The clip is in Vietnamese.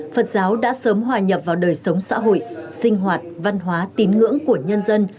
phật giáo đã sớm hòa nhập vào đời sống xã hội sinh hoạt văn hóa tín ngưỡng của nhân dân